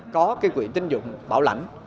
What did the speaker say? có cái quỹ tín dụng bảo lãnh